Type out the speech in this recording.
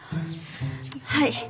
はい。